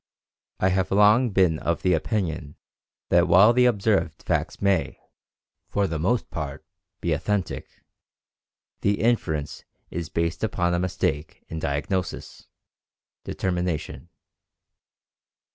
I have long been of the opinion that while the observed facts may, for the most part, be authentic, the inference is based upon a mistake in diagnosis [determination].